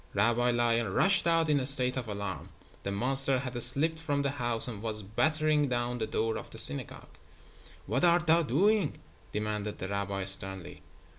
Rabbi Lion rushed out in a state of alarm. The monster had slipped from the house and was battering down the door of the synagogue. "What art thou doing?" demanded the rabbi, sternly.